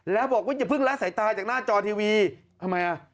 แล้วบอกว่าอย่าเพิ่งละสายตาจากหน้าจอทีวีทำไมอ่ะ